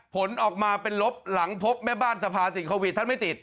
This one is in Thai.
ผลออกมาเป็นลบหลังพบแม่บ้านสภาติดโควิดท่านไม่ติด